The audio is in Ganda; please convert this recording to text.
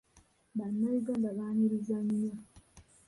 Bannayuganda baaniriza nnyo.